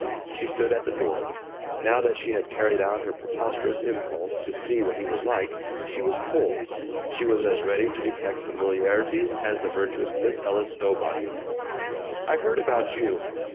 She stood at the door. Now that she had carried out her preposterous impulse to see what he was like, she was cold, she was as ready to detect familiarities as the virtuous Miss Ella Stowbody. "I've heard about you.